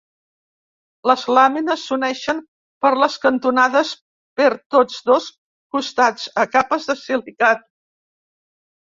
Les làmines s'uneixen per les cantonades, per tots dos costats, a capes de silicat.